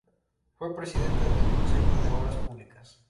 Fue Presidente del Consejo de Obras Públicas.